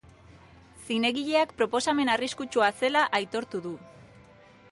Zinegileak proposamen arriskutsua zela aitortu du.